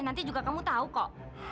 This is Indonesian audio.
nanti juga kamu tahu kok